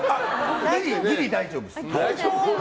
ギリ大丈夫です。